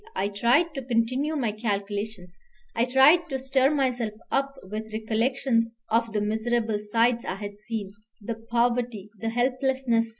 I tried to continue my calculations. I tried to stir myself up with recollections of the miserable sights I had seen, the poverty, the helplessness.